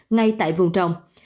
ngay tại vùng trồng